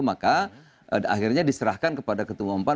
maka akhirnya diserahkan kepada ketua umpan